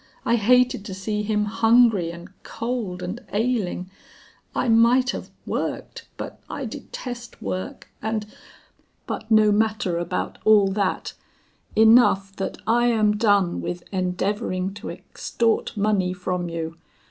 I hated to see him hungry and cold and ailing; I might have worked, but I detest work, and But no matter about all that; enough that I am done with endeavoring to extort money from you.